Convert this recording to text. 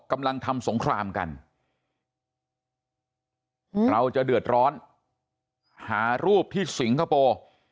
กำลังทำสงครามกันเราจะเดือดร้อนหารูปที่สิงคโปร์